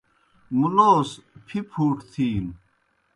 مُلوس پِھپُھوٹ تِھینوْ۔